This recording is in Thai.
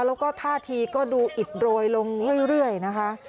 แล้วก็ท่าทีก็ดูอิดโรยลงเรื่อยนะคะ